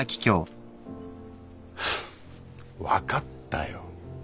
ハァ分かったよ。